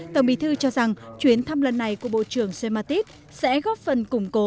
tổng bí thư cho rằng chuyến thăm lần này của bộ trưởng james mattit sẽ góp phần củng cố